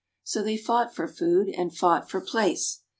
So they fought for food and fought for place.